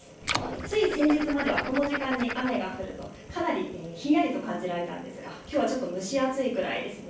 つい先日まではこの時間に雨が降るとかなりひんやりと感じられたんですがきょうはちょっと蒸し暑いくらいです。